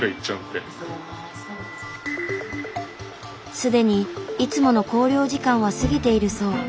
すでにいつもの校了時間は過ぎているそう。